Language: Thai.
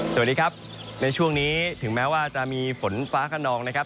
สวัสดีครับในช่วงนี้ถึงแม้ว่าจะมีฝนฟ้าขนองนะครับ